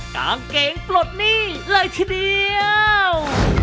กางเกงปลดหนี้เลยทีเดียว